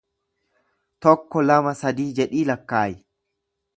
Tokko lama sadii jedhii lakkaayi